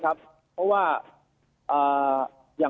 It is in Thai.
ใช่ค่ะ